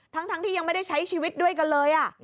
ทั้งที่ยังไม่ได้ใช้ชีวิตด้วยกันเลย